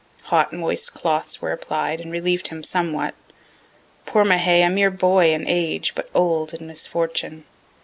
Hot moist cloths were applied, and reliev'd him somewhat. Poor Mahay, a mere boy in age, but old in misfortune.